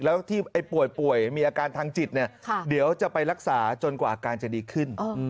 แล้วที่ป่วยมีอาการทางจิตเนี่ยเดี๋ยวจะไปรักษาจนกว่าอาการจะดีขึ้น